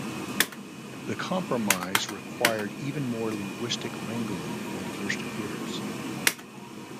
The compromise required even more linguistic wrangling than first appears.